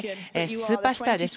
スーパースターです。